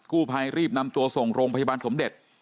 กู้ภัยรีบนำตัวส่งโรงพยาบาลสมเด็จ